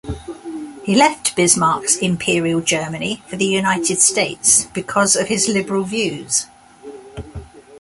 He left Bismarck's Imperial Germany for the United States, "because of his liberal views".